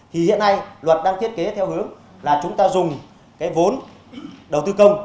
thì hiện nay luật đang thiết kế theo hướng là chúng ta dùng cái vốn đầu tư công